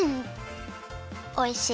おいしい。